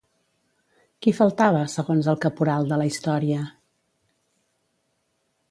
Qui faltava segons el caporal de la història?